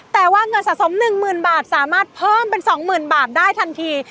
แต่ว่าเงินสะสมหนึ่งหมื่นบาทสามารถเพิ่มเป็นสองหมื่นบาทได้ทันที